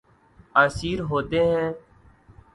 اسیر ہوتے ہیں